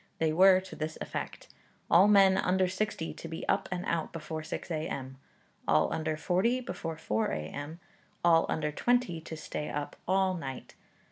They were to this effect: all men under sixty to be up and out before 6 A.M.; all under forty, before 4 A.M.; all under twenty, to stay up all night.